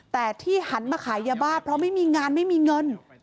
แต่ที่หันมาขายยาบ้าเพราะไม่มีงานไม่มีเงิน